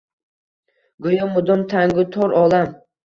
Goʼyo mudom tangu tor olam